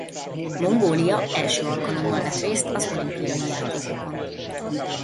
Mongólia első alkalommal vett részt az olimpiai játékokon.